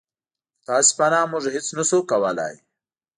متاسفانه موږ هېڅ نه شو کولی.